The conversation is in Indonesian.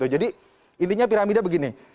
jadi intinya piramida begini